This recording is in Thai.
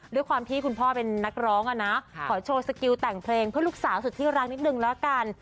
ด้วยความที่คุณพ่อเป็นนักร้องอ่ะนะขอโชว์สกิลแต่งเพลงเพื่อลูกสาวสุดที่รักนิดนึงแล้วกัน